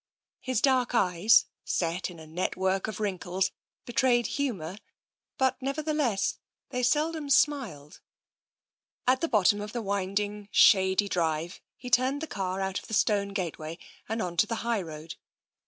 His dark eyes, set in a network of wrinkles, betrayed humour, but, nevertheless, thev seldom smiled. At the bottom of the winding, shady drive he turned the car out of the stone gateway and on to the high road.